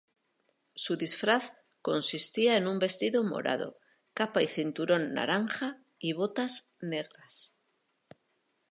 Su disfraz consistía en un vestido morado, capa y cinturón naranja y botas negras.